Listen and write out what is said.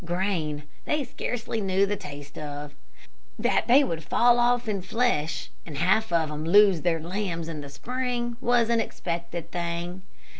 Grain they scarcely knew the taste of. That they would fall off in flesh, and half of them lose their lambs in the spring, was an expected thing.